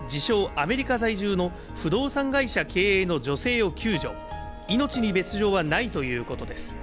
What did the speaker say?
・アメリカ在住の不動産会社経営の女性を救助、命に別状はないということです。